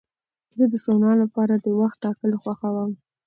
زه د سونا لپاره د وخت ټاکل خوښوم.